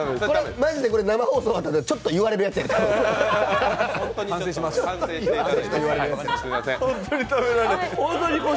マジで生放送だから、ちょっと言われるやつだ。